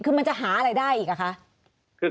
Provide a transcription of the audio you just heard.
คือมันจะหาอะไรได้อีกอ่ะคะ